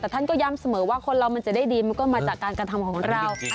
แต่ท่านก็ย้ำเสมอว่าคนเรามันจะได้ดีมันก็มาจากการกระทำของเรา